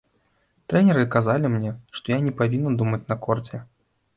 Трэнеры казалі мне, што я не павінна думаць на корце.